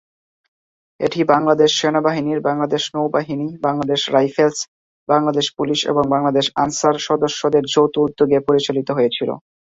এটি বাংলাদেশ সেনাবাহিনীর, বাংলাদেশ নৌবাহিনী, বাংলাদেশ রাইফেলস, বাংলাদেশ পুলিশ এবং বাংলাদেশ আনসার সদস্যদের যৌথ উদ্যোগে পরিচালিত হয়েছিলো।